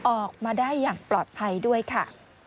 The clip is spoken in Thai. ออกมาได้อย่างปลอดภัยด้วยค่ะ